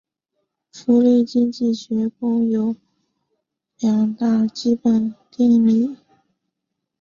福利经济学共有两大基本定理。